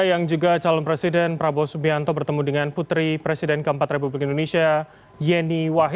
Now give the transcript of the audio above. banyak sekali yang punya simpati besar